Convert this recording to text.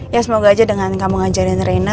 ya semoga aja dengan kamu ngajarin reina